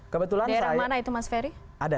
kebetulan saya daerah mana itu mas ferry ada